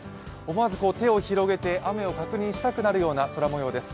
思わず手を広げて、雨を確認したくなるような空模様です。